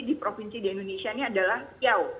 di provinsi di indonesia ini adalah riau